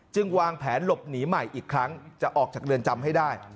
วางแผนหลบหนีใหม่อีกครั้งจะออกจากเรือนจำให้ได้